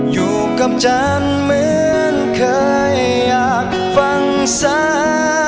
อยู่กับจันทร์เหมือนเคยอยากฟังสา